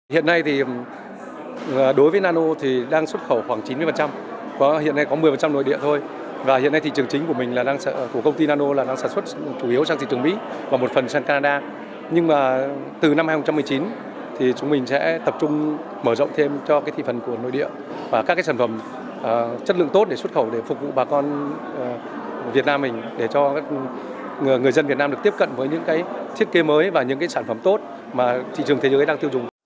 việt nam mình để cho người dân việt nam được tiếp cận với những thiết kế mới và những sản phẩm tốt mà thị trường thế giới đang tiêu dùng